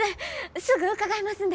すぐ伺いますんで！